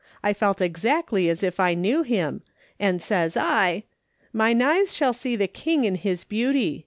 I felt exactly as if I knew him, and says I :"' ]\Iine eyes shall see the King in his beauty.